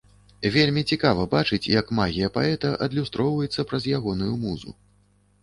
Вельмі цікава бачыць, як магія паэта адлюстроўваецца праз ягоную музу.